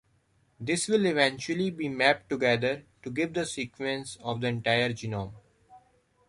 This will eventually be mapped together to give the sequence of the entire genome.